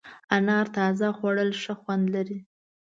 انار تازه خوړل ښه خوند لري.